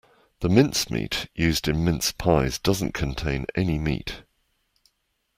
The mincemeat used in mince pies doesn't contain any meat